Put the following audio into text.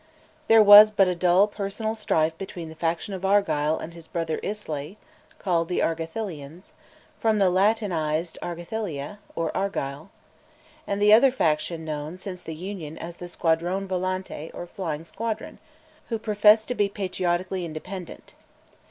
There was but a dull personal strife between the faction of Argyll and his brother Islay (called the "Argathelians," from the Latinised Argathelia, or Argyll), and the other faction known, since the Union, as the Squadrone volante, or Flying Squadron, who professed to be patriotically independent.